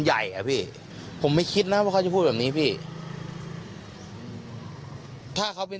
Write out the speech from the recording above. ใหญ่อ่ะพี่ผมไม่คิดนะว่าเขาจะพูดแบบนี้พี่ถ้าเขาเป็น